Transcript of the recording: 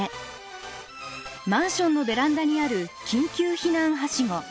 マンションのベランダにある緊急避難はしご。